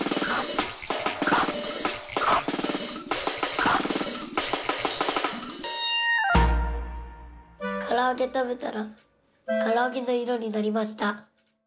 からあげたべたらからあげのいろになりました。